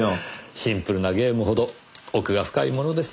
シンプルなゲームほど奥が深いものです。